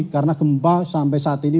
karena gempa sampai saat ini